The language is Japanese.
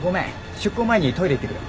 出航前にトイレ行ってくる。